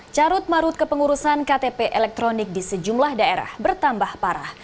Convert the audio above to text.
carut marut kepengurusan ktp elektronik di sejumlah daerah bertambah parah